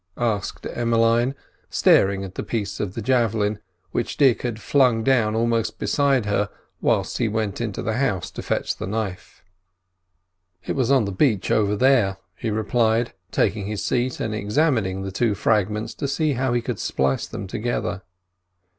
asked Emmeline, staring at the piece of the javelin which Dick had flung down almost beside her whilst he went into the house to fetch the knife. "It was on the beach over there," he replied, taking his seat and examining the two fragments to see how he could splice them together.